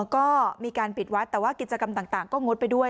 ก็มีการปิดวัดแต่ว่ากิจกรรมต่างก็งดไปด้วย